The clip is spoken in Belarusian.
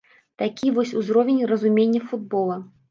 Такі вось узровень разумення футбола.